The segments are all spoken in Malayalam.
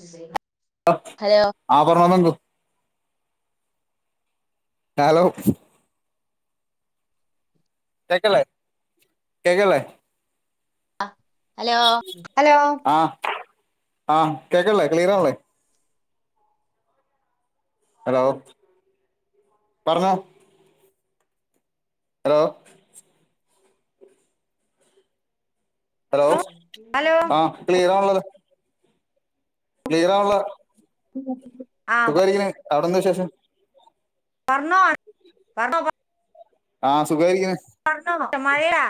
ശരി ആഹ് പറഞ്ഞോ പറഞ്ഞോ ഹലോ കേൾക്കില്ലേ കേൾക്കില്ലേ ഹലോ ഹലോ ആഹ് ആഹ് കേൾക്കില്ലേ ക്ലീയറാവണില്ലേ ഹലോ പറഞ്ഞോ ഹലോ ഹലോ ഹലോ ആഹ് ക്ലിയറാണല്ലോ ക്ലീയറാണല്ലോ ആ സുഖായിരിക്കുന്നു അവിടെന്താ വിശേഷം? പറഞ്ഞോ [unintelligible] ആഹ് സുഖായിരിക്കുന്ന് പറഞ്ഞോ മൊത്തം മഴയാ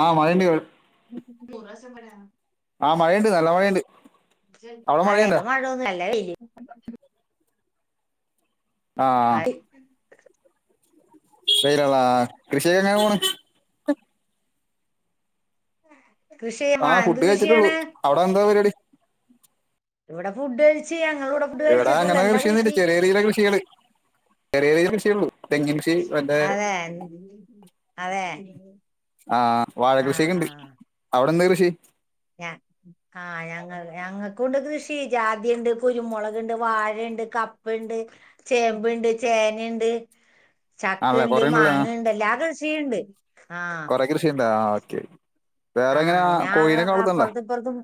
ആഹ് മഴണ്ട് [unintelligible] ആഹ് മഴണ്ട് നല്ല മഴണ്ട് അതെ ഇവിടെ മഴൊന്നും ഇല്ല നല്ല വെയില് ആ ആ, [unintelligible] [unintelligible] കൃഷിയൊക്കെ അങ്ങനെ പോണ് കൃഷി ചെയ്യാൻ പോണ ആഹ് എന്ത് ഫുഡ് കഴിച്ചിട്ടുള്ളു കൃഷിയാണ് അവിടെ എന്താ പരിപടി ഇവിടെ ഫുഡ് കഴിച്ച് ഞങ്ങള് ഇവടെ എടാ അങ്ങനെ കൃഷിയൊന്നുല്ല ചെറിയ ചെറിയ കൃഷികള് ചെറിയ ചെറിയ കൃഷിയൊള്ളു തെങ്ങിൻ കൃഷി മറ്റേ അതെ അതെ ആഹ് വാഴ ആ കൃഷിയൊക്കെണ്ട് അവിടെ എന്താ കൃഷി ഞാൻ ആഹ് ഞങ്ങള് ഞങ്ങൾക്കൂണ്ട് കൃഷി ജാതിണ്ട് കുരുമുളക്ണ്ട് വാഴണ്ട് കപ്പണ്ട് ചേമ്പുണ്ട് ചേനണ്ട് ആണല്ലേ ചക്കയുണ്ട് കൊറേ ഉണ്ടല്ലേ മാങ്ങയുണ്ട് എല്ലാ കൃഷിയുണ്ട് ആഹ് കൃഷിയുണ്ടോ ആഹ് ഓക്കെ വേറെ എങ്ങനാ കോഴിനെ ഒക്കെ വളർത്ത്ണ്ടോ പൊറത്തുന്ന്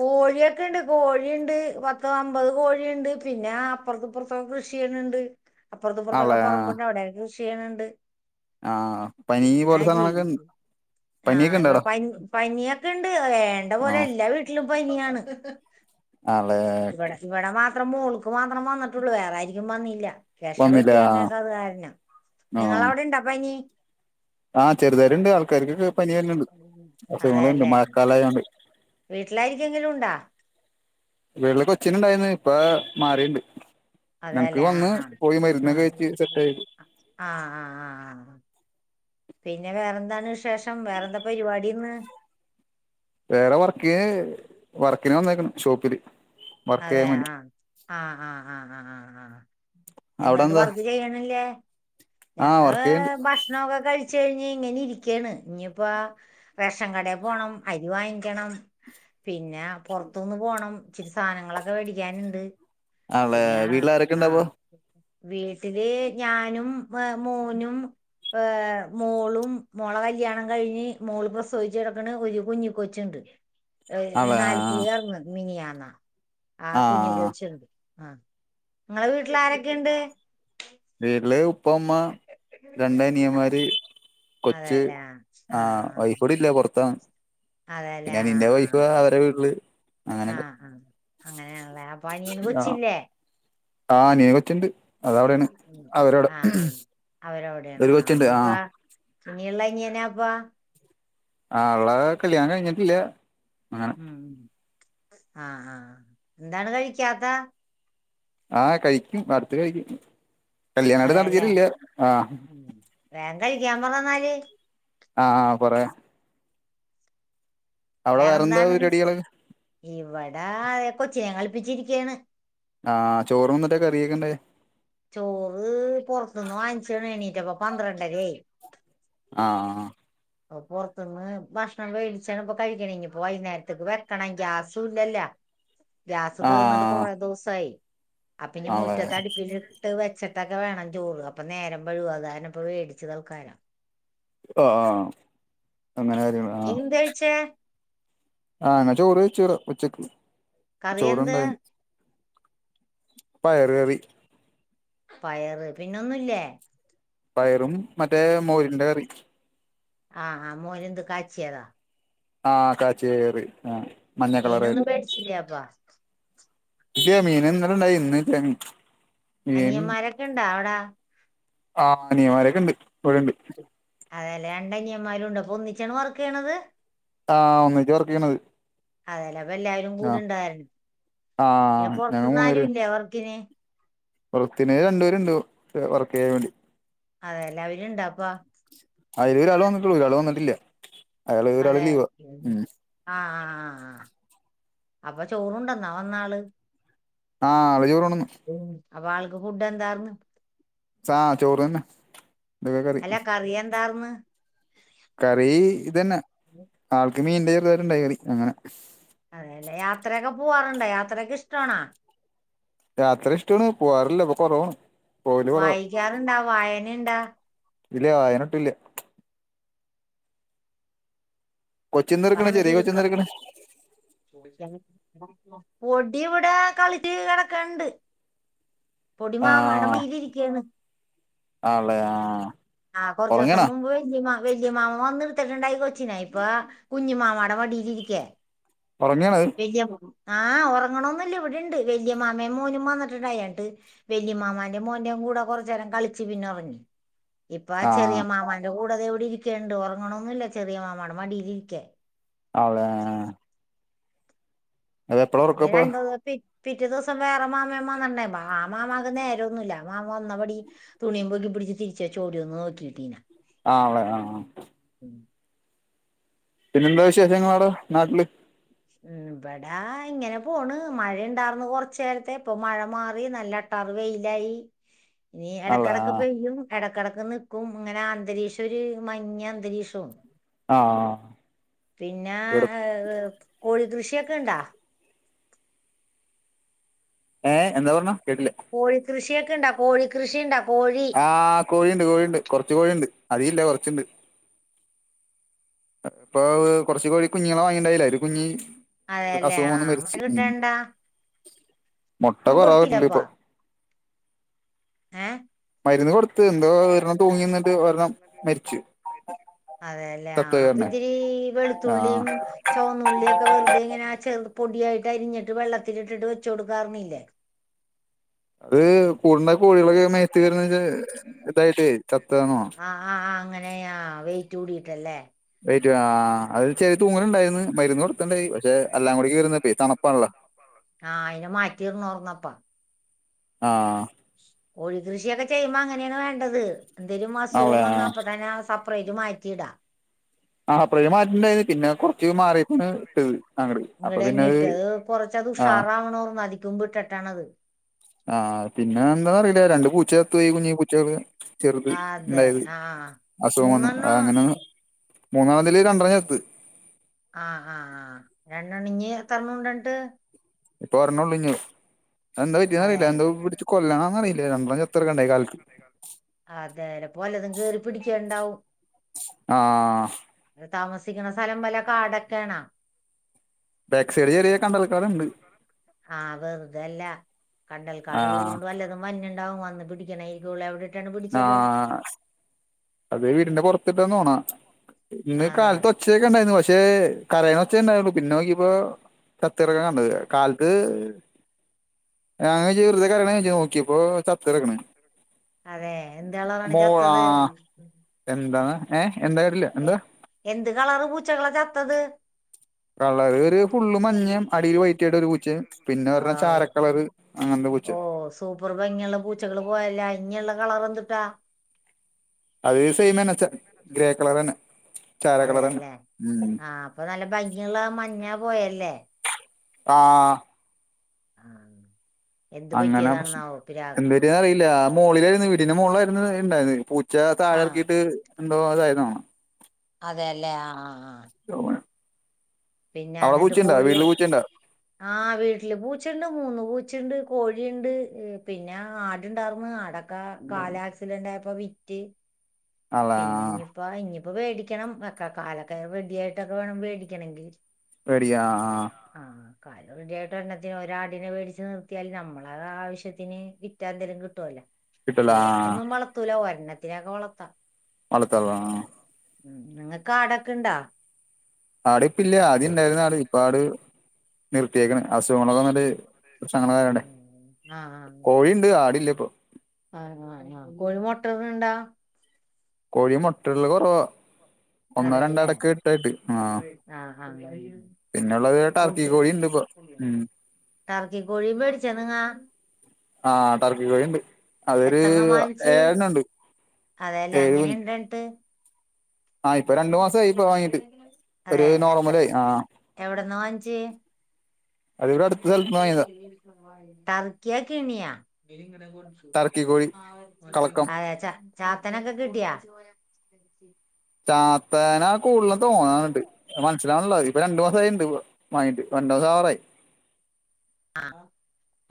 കോഴിയൊക്കെണ്ട് കോഴിയുണ്ട് പത്ത് അമ്പത് കോഴിയുണ്ട് പിന്നെ അപ്പുറത്തും ഇപ്പുറത്തും ത്തും കൃഷി ചെയ്യണണ്ട് അപ്പുറത്തും ആണല്ലേ ഇപ്പുറത്തൊക്കെ ആ പറമ്പുണ്ട് അവിടെയൊക്കെ കൃഷി ചെയ്യണണ്ട് ആഹ് പനി പോലെ സാനങ്ങളൊക്കെ ഉണ്ട് പനിയൊക്കെ ആഹ് ഉണ്ടോ ഇവിടെ അവിടെ പനി പനിയൊക്കെ ഉണ്ട് വേണ്ട ആ പോലെല്ലാ വീ ട്ടിലും പനിയാണ് ആണല്ലേ ഇവടെ ഇവിടെ മാത്രം മോൾക്ക് മാത്രം വന്നിട്ടുള്ളൂ വേറെ ആരിക്കും വന്നില്ല [unintelligible] വന്നില്ലേ വെട്ടി ആ [unintelligible] അത് കാരണം നിങ്ങളവിടെ ഇണ്ടോ പനി ആഹ് ചെറുതായിട്ടുണ്ട് ആൾക്കാർക്കൊക്കെ പനി വര്നുണ്ട് അസുഖങ്ങളും ഉണ്ട് മഴക്കാലായോണ്ട് വീട്ടിലാരിക്കെങ്കിലും ഉണ്ടോ? ഇതുപോലെ കൊച്ചിന് ഇണ്ടായിന്ന് ഇപ്പ മാറിണ്ട് അതെല്ലേ ആഹ് ആഹ് കഴിച്ച് സെറ്റ് ആഹ് ആയി ആഹ് ആഹ് ആഹ് ആഹ് പിന്നെ വേറെന്താണ് വിശ് ശേഷം വേറെ എന്താ പരിപാടീന്ന് വേറെ വർക്കി വർക്കിന് വന്നേക്കണ്‌ ഷോപ്പില് വർക്ക് അതെ ചെയ്യാൻ വേണ്ടി ആഹ് ആഹ് ആഹ് ആഹ് ആഹ് ആഹ് അവിടെ എന്തുണ്ട് എന്താ വർക്ക് ചെയ്യണില്ലേ ആ ഞങ്ങള് വർക്ക് ചെയ്യണ്ട് ഭക്ഷ് ക്ഷണോക്കെ കഴിച്ച് കഴിഞ് ഇങ്ങനെ ഇരിക്കാണ് ഇനിയിപ്പോ റേഷൻ കടയിൽ പോണം അരി വാങ്ങിക്കണം പിന്നെ പുറത്തൊന്ന് പോണം ചിസ് സാധനങ്ങളൊക്കെ മേടിക്കാനുണ്ട് അതെ പിന്നെ വീട്ടിലാരൊക്കെ ആ ഉണ്ട അപ്പോ വീട്ടില് ഞാനും മോനും ഏഹ് മോളും മോളെ കല്യാണം കഴിഞ്ഞ് മോൾ പ്രസവിച്ചെടുക്കണ ഒരു കുഞ്ഞി കൊച്ചുണ്ട് ആണല്ലേ നാല് പുളിഅറ്ന്ന് മിനിയാ [unintelligible] ന്നാ ആ കുഞ്ഞു കുളിചെത് ആഹ് നിങ്ങളെ വീട്ടിലാരെക്കെയുണ്ട് വീട്ടില് ഉപ്പ ഉമ്മ രണ്ട ആ അനീയന്മാര് കൊച്ച് അതെല്ലേ ആ ആ ആഹ വൈഫ് ആ ഇവിടെല്ല പൊറത്താണ് അതെല്ലേ പിന്നെ അനിയന്റെ വൈഫ് അവരുടെ വീട്ടില് അങ്ങനെയൊക്കെ ആഹ് ആഹ് അങ്ങനയാണല്ലേ അപ്പൊ അനിയന് കൊച്ചില്ലേ ആഹ് അനിയന് കൊച്ചുണ്ട് അതവിടെയാണ് ആഹ് അവരവിടെ അഹ് അവരവിടെയാണ് ഒരു ആഹ കൊച്ചുണ്ട് ആ ഇനിയിപ്പ പിന്നെയള്ള അനിയന അപ്പ ആഹ ഉള്ള വൻ്റെകല്ല്യാണ കഴിഞ്ഞിട്ടില്ല ഉം ആഹ് ആഹ് എന്താണ് കഴിക്കാത്ത ആഹ് കഴിക്കും അടുത്ത് കഴിക്കും കല്യാണാണ്ട് അതെല്ലേ നടത്തിട്ടില്ല ആഹ് ഉം. വേഗം കഴിക്കാ പറന്നാല് ആഹ് ആഹ് പറയാം അവിടെ വേറെ വേറെന്താ എന്താണ് പരിപാടികള് ഇവിടെ അഹ കൊച്ചിനെ കളിപ്പിച്ചിരിക്കയാണ് ആഹ് ചോറ് ന്നിട്ടന്ത കറിയ എന്തെ ചോറ് പുറത്തുന്ന് വാങ്ങിച്ചണ് എണീറ്റപ്പ പന്ത്രണ്ടരായി ആഹ് അഹ' പുറത്തുന്ന് ഭക്ഷണം വേടിച്ചാണ് ഇപ്പൊ കഴിക്കണെപ്പോ വൈകുന്നേരത്തേക്ക് വെക്കണം ഗ്യാസും ഇല്ലല്ല ഗാസ് ആ തീർന്നിട്ട് കൊറെ ദിവസായി അപ്പ ഇനി ആളെ മുറ്റത്തെ അടുപ്പില് ഇട്ട് വെച്ചട്ടൊക്കെ വേണം ചോറ് അപ്പൊ നേരം വഴുകും അത് കാരണം ഇപ്പ വേടിച്ച് തൽക്കാലം ആഹ് ആഹ് അങ്ങനെ കാര്യങ്ങള് എന്ത്ഴച്ചേ ആഹ്ങ്ങനെ ചോറ് ചെറ ഉച്ചക്ക് കറി എന്ത് ചോറുണ്ടായിരുന്നു പയർ കറി പയറ് പിന്നൊന്നുല്ലേ പയറും മറ്റേ മോരിന്റെ കറി ആഹ് ആഹ മോര് എന്ത് കാച്ചിയതാ ആഹ് കാച്ചിയ കറി ആഹ മീനൊന്നും മേടിച്ചില്ല അപ്പാ ഇല്ല മീന് ഇന്നലെ ഇണ്ടായി ഇന്ന് [unintelligible] മീൻ അനിയന്മാരൊക്കെ ഉണ്ടാ അവിട ആഹ് അനിയമാരൊക്കെ ഉണ്ട് ഇവിടെണ്ട് അതേല്ലേ രണ്ടനിയന്മാരും ഉണ്ട് അപ്പൊ ഒന്നിച്ചാണ് വർക്ക്യ്യണത് ആഹ് ഒന്നിച്ച് വർക്ക് ചെയ്യണത് അതലപ്പ എല്ലാരും ആഹ് കൂടെണ്ടാരുന്നു പിന്നെ ആഹ് ഞങ്ങൾ പുറത്തന്ന് ആരുുംല്ലേ വർക്കിന് പൊറത്ത്ന്ന് രണ്ടുപേരുണ്ട് വർക്ക് യ്യാൻ വേണ്ടി അതെ അവര്ണ്ടാപ്പ അതില് ഒരാള് വന്നിട്ടുള്ളൂ ഒരാള് വന്നിട്ടില്ല അയാള് ഒരാള് ലീവ ഉം ആഹ് ആഹ് ആഹ് അപ്പൊ ചോറുണ്ടെന്നാ വന്നാലും ആഹ് അവര് ചോറണ്ടന്ന് അപ്പൊ ആൾക്ക് ഫുഡ് എന്താർന്ന് ആഹ് ചോറ് തന്നെ ഇതൊക്കെ കറി അല്ല കറിയെന്താർന്ന് കറി ഇത് തന്നെ ആൾക്ക് മീന്റെ ചെറുതായിട്ട് ഇണ്ടായിനി അങ്ങനെ അതെയല്ലേ യാത്രയൊക്കെ പോവാറുണ്ടോ യാത്രയൊക്കെ ഇഷ്ടമാണോ യാത്ര ഇഷ്ടവാണ് പോവാറില്ല പ്പൊ കൊറവാണ് പോവല് കൊറവാ വായിക്കാറുണ്ടാ വായനണ്ടാ ഇല്ല വായനൊട്ടില്ല കൊച്ചുന്തട്ക്ക്ണെ വായന ചെറിയ ചുരുക്കം കൊച്ചുന്തട്ക്ക്ണെ പൊടി ഇവിടെ കളിച്ച് കെടക്ക്ണ്ട് പൊടി മാമാനെ ആഹ് മടിയിലിരിക്കാണ് ആണല്ലേ ആഹ് ആഹ് കൊറച്ചോസം ഉറങ്ങണാ മുമ്പ് ന്റെ മാ വല്ല്യ മാമൻ വന്നിടുത്തിട്ടുണ്ടായി കൊച്ചിനാ ഇപ്പൊ കുഞ്ഞി മാമാടെ മടിയിലിരിക്ക ഒറങ്ങാണത് ഇല്ല ആഹ് ഉറങ്ങണൊന്നുല്ല ഇവിടെണ്ട് വലിയ മാമേ മോനും വന്നിട്ടുണ്ടായിട്ട് വല്ല്യ മാമാന്റെയും മോന്റെയും കൂടെ കൊറച്ചേരം കളിച്ച് പിന്നെ ഒറങ്ങി ഇപ്പൊ ആ ചെറിയ മാമാന്റെ കൂടെ അതെ എവിടെ ഇരിക്കുണ്ട് ഉറങ്ങണൊന്നുംല്ല ചെറിയ മാമാടെ മടീൽ ഇരിക്കേ ആണോ ആഹ് ഈ ഉറക്കപ്പ രണ്ടു കോപ്പി പിറ്റേ ദിവസം വേറെ മാമയും വന്ന് ണ്ടായിരുന്നു ആ മാമാക്ക് നേരന്നുല്ല ആ മാമ വന്നപടി തുണിയും പൊക്കി പിടിച്ച് തിരിച്ചേ ചോടി ഒന്ന് നോക്കിട്ടീന ആണോ ആഹ് ഉം പിന്നെ എന്താ വിശേഷങ്ങളടോ നാട്ടില് ഉം ഇവടാ ഇങ്ങനെ പോണ് മഴ ഇണ്ടാർന്ന് കൊറച്ചേരത്തെ ഇപ്പൊ മഴ മാറി നല്ല ട്ടാർ വെയിലായി ഇനി ആളെ ആ ഇടക്കടക്ക് പെയ്യും ഇടയ്ക്കടക്ക് നിക്കും അങ്ങനെ അന്തരീക്ഷം ഒരു മഞ്ഞ അന്തരീക്ഷാണ് ആഹ് പിന്നെ ഏഹ് കോഴി കൃഷിയൊക്കെണ്ടോ ഏഹ് എന്താ പറഞ്ഞെ കേട്ടില്ല കോഴിക്കൃഷിയൊക്കെ ഇണ്ടാ കോഴിക്കൃഷിണ്ടാ കോഴി ആഹ് കോഴിയുണ്ട് കോഴിയുണ്ട് കൊറച്ച് കോഴിയുണ്ട് അതികം ഇല്ല കൊറച്ചുണ്ട് ഇപ്പൊ അത് കൊറച്ച് കോഴി കുഞ്ഞുങ്ങളെ വാങ്ങിണ്ടായില്ല ഒരു കുഞ്ഞി ഏഹ് അതെല്ലേ അസുഖം ആ വന്ന് മുട്ട മരിച്ച് ഉം കിട്ടണ്ട മൊട്ട ഒന്നും കൊറേ ഇടില്ല കൊടുത്തില്ലപ്പാ ഇപ്പൊ ഏഹ് മരുന്ന് കൊടുത്ത് എന്തോ ഒരെണ്ണം തൂങ്ങിന്നിട്ട് ഒരെണ്ണം മരിച്ച് അതെല്ലേ ആഹ് അപ്പൊ ഒരെണ്ണം ഇതിരി ആ വെളുത്തുള്ളിയും ചോന്നുള്ളിയൊക്കെ വെറുതെ ഇങ്ങനെ ചെറു പൊടിയായിട്ട് അരിഞ്ഞിട്ട് വെള്ളത്തിലിട്ടിട്ട് വെച്ച് കൊടുക്കാറുന്നില്ലേ അത് കൂടുന്ന കോഴികളൊക്കെ മേത്ത് വരുന്നത് വച്ചാ ഇതായിട്ട് ചത്താണോ ആഹ് ആഹ് അങ്ങനെയാ വെയിറ്റ് കൂടിട്ടല്ലേ വെയിറ്റ് ആഹ് അത് ചെറിയ തൂങ്ങലുണ്ടായിരുന്നു മരുന്ന് കൊടുത്ത്ണ്ടായി പക്ഷെ എല്ലാം കൂടി കേറി നിന്നപ്പേ തണുപ്പാണല്ലോ ആഹ് അയിന് മാറ്റിർന്ന്ർന്നപ്പ ആഹ് കോഴി കൃഷിയൊക്കെ ചെയ്യുമ്പോ അങ്ങനേണ് വേണ്ടത് എന്തേലും അസുഖം ആണല്ലേ ആ വന്ന അപ്പ തന്നെ ആ സ [unintelligible] ഇത് മാറ്റിയിടാ ആഹ് പ്രയ്മ് മാറ്റണ്ടരും അങ്ങട് അപ്പൊ ഇങ്ങടെ പിന്നെ തന്നെ ഇട്ട് അത് കൊറച്ചത് ആ ഉഷാറാവണോർന്ന് അധിക്കുമ്പ് ഇട്ട ട്ടാണത് ആഹ് പിന്നെ എന്താറിയില്ല രണ്ട് പൂച്ച ത്തോയി കുഞ്ഞി പൂച്ചകള് ചെറുത് ആ, അതെ ഇണ്ടായത് ആഹ് അസുഖമാണ് മൂന്നെണ്ണം അങ്ങനെ മൂന്നാമതിൽ രണ്ടണം ചത്ത് ആഹ് ആഹ് ആഹ് രണ്ടണ് ഇഞ് എത്രണംണ്ടിട്ട് ഇപ്പൊ ഒരെണ്ണൊള്ളു ഇഞ്ഞ് അത് എന്താ പറ്റിയന്നറിയില്ല എന്തോ അതന്നെ പിടിച്ചു കൊല്ലണം ന്നറിയില്ല രണ്ട്രണം ചത്ത ട്‌ക്ക്ണ് ണ്ടായി കാൽക്ക് അതേ ലെ ഇപ്പൊ വല്ലതും കേറി പിടിക്കണ്ടാവും ആഹ് താമസിക്ക്ണ സ്ഥലം വല്ലെ കാടൊക്കേണോ ബാക് സൈഡ് ചെറിയ കണ്ടൽ കാട് ആ വെറുതല്ല ആ കണ്ടൽക്കാടുള്ളതോണ്ട് വല്ലതും മഞ്ഞുണ്ടാവും വന്ന് പിടിക്കണ ഈ ഗുളെവിടെ ആഹ് അത് വീടിന്റെ പൊർത്തിട്ട് ഒന്ന് ഒണ ഇന്ന് ഈ അതെ കാലത്ത് ഒ ച്ചയൊക്കെ ഉണ്ടായിരുന്നു പക്ഷേ കരയ്ണ ഒച്ചേ ഉണ്ടായിള്ളു പിന്നെ നോക്കിയപ്പോ ചത്ത്ട്ക്ക്‌ണ് കണ്ട് കാൽക്ക് നോക്കിയപ്പോ ചത്തിറക്കണ് അതെ എന്ത്‌കളറാണ് മോ ആ ചത്തത്? എന്താണ് ഏഹ് എന്താ കേട്ട്ല്ല? എന്ത് കളറ് പൂച്ചകളാ ചത്തത്? കളർ ഒരു ഫുള്ള് മഞ്ഞേ അടില് വൈറ്റ ആയിട്ട് ഒരു പൂച്ചേ പിന്നെ ഒരണ്ണം ആവൂ ചാരക്കളറ് അങ്ങൻത്തെ ഓ പൂച്ചേ സൂപ്പർ ഭങ്ങിയുള്ള പൂച്ചകള് പോയല്ലോ ഇഞ്ഞിയുള്ള കളർ എന്തുട്ടാ? അത് സെയിം തന്നെ ച ഗ്രേ കളറന്നെ ചാര കളർ തന്നെ അതെല്ലേ ഉം ആ അപ്പൊ നല്ല ഭംഗിയുള്ള മഞ്ഞ പോയല്ലേ? ആഹ് ആഹ് അങ്ങനെ പ്രശ എന്ത വരിന്ന് അറിയില്ല മോളിലായിരുന്നു വീടിന്റെ മോളിലായിരുന്നു ഇണ്ടായത് പൂച്ച ആ താഴെ ഇറക്കിയിട്ട് എന്തോ ഇതായതാണ് അതെല്ലേ ആഹ് ആഹ് അവിടെ പൂച്ചിണ്ടോ വീട്ട്ല് പൂച്ചിണ്ടോ? ആഹ് വീട്ടില് പൂച്ചണ്ട് മൂന്ന് പൂച്ചണ്ട് കോഴിണ്ട് പിന്നെ ആടുണ്ടായിർന്ന് ആടൊ ക്ക കാലാക്സിഡന്റ് ആയപ്പോ വിറ്റ് അള്ളാ പിന്നെ ഇഞ്ഞിപ്പോ ഇഞ്ഞിപ്പോ വേടിക്കണം ഒക്കെ കാലൊക്കെ റെടിയായിട്ടൊക്കെ വേണം വേടിക്കണെങ്കിൽ പേടിയാ ആഹ് കാല് റെഡിയായിട്ട് ഒരണ്ണത്തിനെ ഒരാടിനെ വേടിച്ച് നിർത്തിയാല് നമ്മള ആവശ്യത്തിന് വിറ്റാല് എന്തേലും കിട്ടോല്ലോ കിട്ടല ഒരുപാടൊന്നും വളർത്തൂല ഒരെണ്ണത്തിനൊക്കെ വളർത്താം വളർത്താവോ ആഹ് ഉം നിങ്ങക്ക് ആടൊക്കെ ഇണ്ടോ? ആടിപ്പില്ല ആദ്യം ഇണ്ടായിരുന്ന ആട് ഇപ്പ ആട് നിർത്തിയേക്കണ് അസുഖങ്ങളക്കെന്നട്ട് പ്രശ്നങ്ങളായോണ്ടയ് ഉം. ആ കോഴി ഇ ണ്ട് ആടില്ല ഇപ്പൊ ആഹ് കൊഴി മുട്ട ഇടുന്നുണ്ടോ കോഴി മൊട്ടടല് കൊറവ ഒന്നോ അതെ രണ്ടോ അല്ലേ എടക്ക് ഇട്ടായിട്ട് ആഹ് ആ ആ പിന്നെള്ളത് ടർക്കി കോഴി ഇണ്ട് ഇപോ ഉം ടറക്കി കോഴി മേടിച്ച നിങ്ങാ ആഹ ടർക്ക കോഴി ഇണ്ട് അതൊരു എത്രണ്ണം വാങ്ങിച്ച് ഏഴെണണ്ട് ഏഴ കുഞ്ഞ് ന്നട്ട് രണ്ടു മാസായി ഇപ്പൊ വാങ്ങീട്ട് ഒരു അതെ എത്ര നോർമലായി ആ എവിടെന്ന വാങ്ങിച്ചേ [inaudible] അത് ഇവിടെ അട്ത്ത് സൽത്ത് ന്ന് വങ്ങിതാ ടർക്യായ കണിയോ ടർക്കിക്കോഴി കളക്കം അതെ ച ചാത്തനൊക്കെ കിട്ടിയാ ചാത്തേന കൂടുതലും തോന്നാനുണ്ട് മനസ് ലാണില ഇപ്പൊ രണ്ടു മാസ ആയിണ്ട് വങ്ങിട്ട് രണ്ടു മാസ ആവാറായി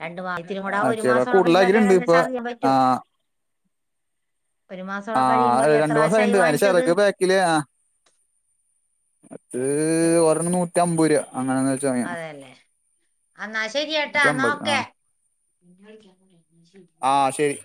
രണ്ടു മാസം ഇത്തിരി കൂടെ ആ ഒരു അയ്ട്ടങ്ങളെ മാസം കഴിയുമ്പോ കൂടുലാക്കിലുണ്ട് ഇപ്പൊ അറിയാൻ പറ്റും ആഹ ഒരു മാസം കൂടെ കഴിയുമ്പോ ആഹ് അറിയാം എത്ര രണ്ട് മാസം ആശായി ആയിണ്ട് അയിന്റെ വാങ്ങിച്ചത് ചെറക് ബേക് ക്കില് ആഹ് അത് ഒരെണ്ണം നോ ട്ടാമ്പൂര് അങ്ങനന്ന് വെച്ച് വങ്ങിയ അന്നാ ശെരി ട്ടാ എന്ന നൂറ്റമ്പത് ആ ഒക്കെ ആഹ് ശെരി